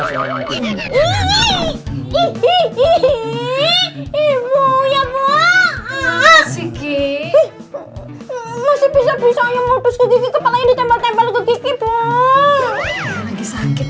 iya itu ya mual mual bos iqyik bisa bisanya apa kepalanya ditembal kiki punuelle lagi sakit